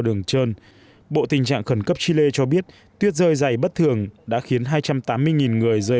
đường trơn bộ tình trạng khẩn cấp chile cho biết tuyết rơi dày bất thường đã khiến hai trăm tám mươi người rơi